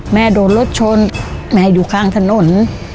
แม่โดนรถชนแม่อยู่ข้างถนน